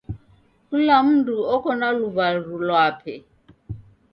Kula mndu oko na luw'aru lwape.